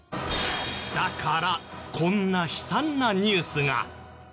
だからこんな悲惨なニュースが。